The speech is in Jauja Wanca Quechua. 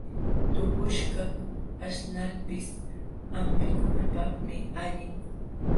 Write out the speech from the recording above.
Tuqushkaq aśhnalpis hampikunapaqmi allin.